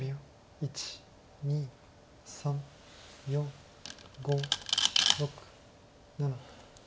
１２３４５６７。